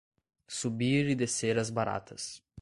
Subir e descer as baratas.